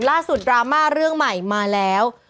ดราม่าเรื่องใหม่มาแล้ว